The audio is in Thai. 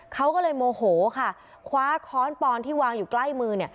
เขาก็เลยโมโหค่ะคว้าค้อนปอนที่วางอยู่ใกล้มือ